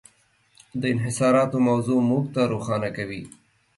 د انحصاراتو موضوع موږ ته روښانه کوي.